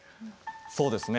そうですね。